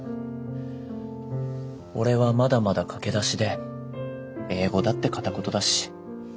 俺はまだまだ駆け出しで英語だって片言だし。